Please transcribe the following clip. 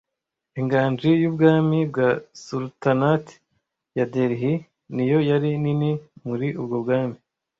Inganji y'ubwami bwa Sultanate ya Delhi niyo yari nini muri ubwo bwami